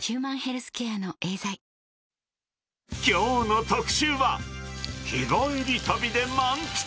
きょうの特集は、日帰り旅で満喫。